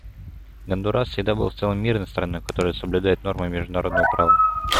Гондурас всегда был в целом мирной страной, которая соблюдает нормы международного права.